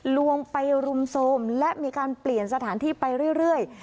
ลวงไปรุมโทรมและมีการเปลี่ยนสถานที่ไปเรื่อย